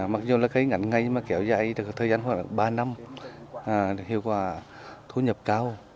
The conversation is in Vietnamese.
mặc dù là cây ngắn ngay mà kéo dài thời gian khoảng ba năm hiệu quả thu nhập cao